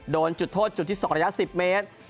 โดนจุดโทษจุดที่๒ระยะ๑๐เมตร